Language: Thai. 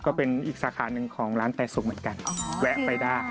ก็เป็นอีกสาขาหนึ่งของร้านแต่สุกเหมือนกันแวะไปได้